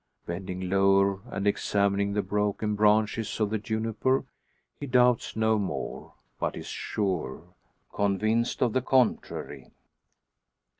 Bending lower, and examining the broken branches of the juniper, he doubts no more, but is sure convinced of the contrary!